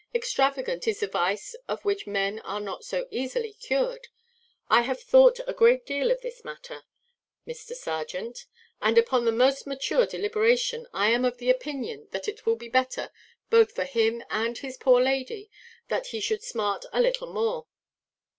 extravagance is a vice of which men are not so easily cured. I have thought a great deal of this matter, Mr. serjeant; and, upon the most mature deliberation, I am of opinion that it will be better, both for him and his poor lady, that he should smart a little more."